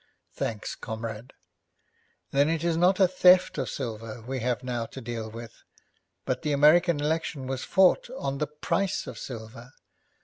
'Thanks, comrade. Then it is not a theft of silver we have now to deal with. But the American election was fought on the price of silver.